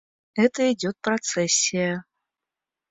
Это идет процессия.